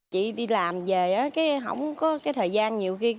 khi đi làm về không có thời gian nhiều khi